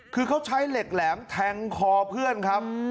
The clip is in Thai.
คือเขาใช้เหล็กแหลมแทงคอเพื่อนครับ